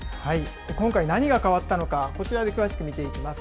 今回、何が変わったのか、こちらで詳しく見ていきます。